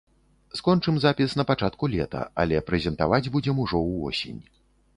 Скончым запіс на пачатку лета, але прэзентаваць будзем ужо ў восень.